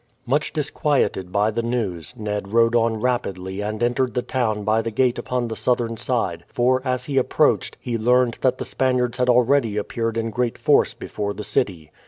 Much disquieted by the news, Ned rode on rapidly and entered the town by the gate upon the southern side; for, as he approached, he learned that the Spaniards had already appeared in great force before the city.